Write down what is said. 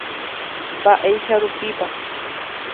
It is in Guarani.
Mba'éicha rupípa.